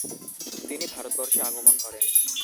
তিনি ভারতবর্ষে আগমন করেন।